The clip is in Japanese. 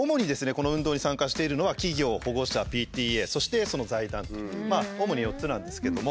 この運動に参加しているのは企業保護者ＰＴＡそしてその財団と主に４つなんですけれども。